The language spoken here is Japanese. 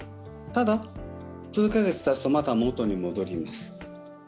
ただ、数カ月たつとまた元に戻ります。